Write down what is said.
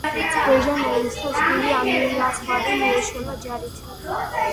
ბეჟან ერისთავს გივი ამილახვარი მიეშველა ჯარით.